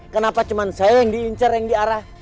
kenapa cuma saya yang diincar yang diarah